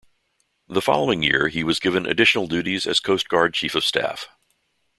The following year, he was given addition duties as Coast Guard Chief of Staff.